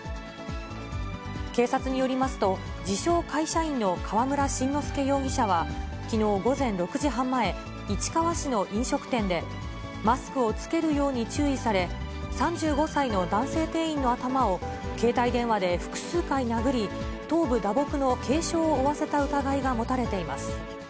警察によりますと、自称会社員の河村眞之助容疑者はきのう午前６時半前、市川市の飲食店で、マスクを着けるように注意され、３５歳の男性店員の頭を携帯電話で複数回殴り、頭部打撲の軽傷を負わせた疑いが持たれています。